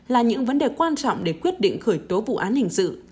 là những vấn đề quan trọng để quyết định khởi tố vụ án hình sự